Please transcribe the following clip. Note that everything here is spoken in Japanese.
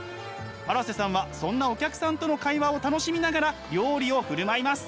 荒瀬さんはそんなお客さんとの会話を楽しみながら料理を振る舞います。